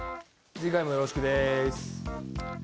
次回もよろしくです。